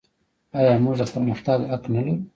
آیا موږ د پرمختګ حق نلرو؟